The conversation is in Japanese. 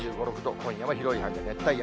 今夜も広い範囲で熱帯夜。